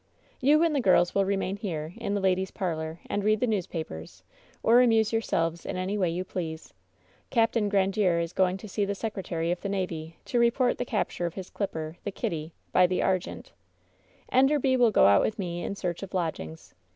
"You and the girls will remain here, in the ladies' parlor, and read the newspapers, or amuse yourselves in any way you please. Capt. Grandiere is going to see the secretary of the navy to report the capture of his clip per, the Kitty, by the Argente. Enderby will go out with me in search of lodgings.